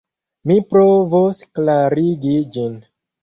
Mi provos klarigi ĝin.